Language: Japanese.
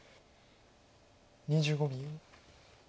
２５秒。